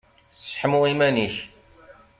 Seḥmu iman-ik!